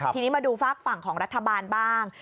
ทีนี้มาดูฝากฝั่งของรัฐบาลบ้าง